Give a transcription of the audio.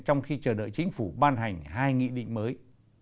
trong khi chờ đợi chính phủ ban hành hai nghị định mới